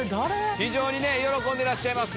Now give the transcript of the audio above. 非常にね喜んでらっしゃいます。